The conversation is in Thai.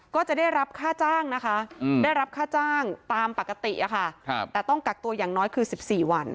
ก็จะได้รับค่าจ้างนะคะได้รับค่าจ้างตามปกติแต่ต้องกักตัวอย่างน้อยคือ๑๔วัน